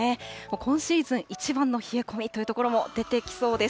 今シーズン一番の冷え込みという所も出てきそうです。